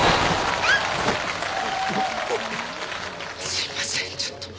すみませんちょっと。